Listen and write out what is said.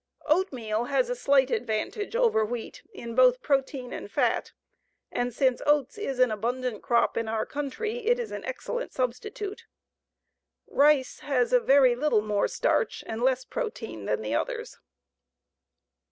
Oatmeal has a slight advantage over wheat both in protein and fat, and since oats is an abundant crop in our country it is an excellent substitute. Rice has a very little more starch and less protein than the others.